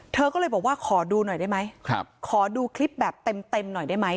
เธอก็เลยบอกว่าขอดูหน่อยได้ไหมขอดูคลิปแบบเต็มหน่อยได้ไหม